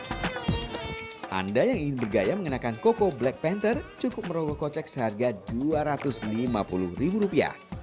anda yang ingin bergaya mengenakan koko black panther cukup merogoh kocek seharga dua ratus lima puluh ribu rupiah